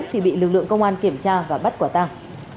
thì bị lực lượng công an kiểm tra và bắt quả tàng